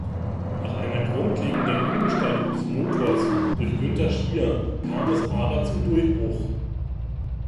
Nach einer grundlegenden Umgestaltung des Motors durch Günther Schier kam es aber zum Durchbruch.